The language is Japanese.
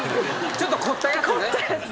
ちょっと凝ったやつね。